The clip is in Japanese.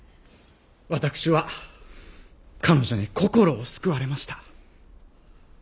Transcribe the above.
私は彼女に心を救われました。